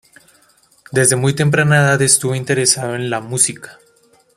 Desde muy temprana edad estuvo interesado en la música.